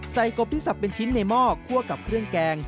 กบที่สับเป็นชิ้นในหม้อคั่วกับเครื่องแกง